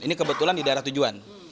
ini kebetulan di daerah tujuan